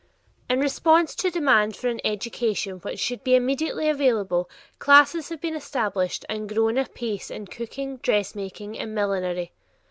In response to a demand for an education which should be immediately available, classes have been established and grown apace in cooking, dressmaking, and millinery.